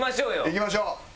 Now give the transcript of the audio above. いきましょう。